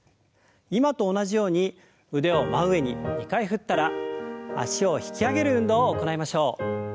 今と同じように腕を真上に２回振ったら脚を引き上げる運動を行いましょう。